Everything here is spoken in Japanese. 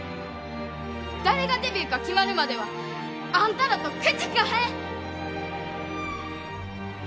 誰がデビューか決まるまではあんたらと口利かへん！